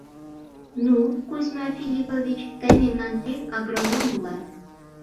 — Ну, Кузьма Филиппович, тый мемнан тӱҥ агроном улат.